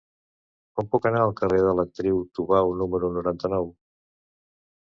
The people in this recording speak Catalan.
Com puc anar al carrer de l'Actriu Tubau número noranta-nou?